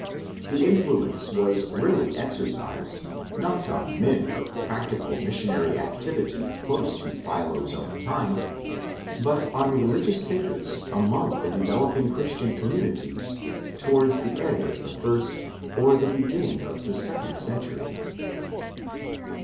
The influence was really exercised, not on men of practical missionary activity elose to Philo's own time, but on religious thinkers among the developing Christian communities towards the end of the first or the beginning of the second century.